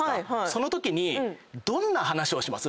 そのときにどんな話をします？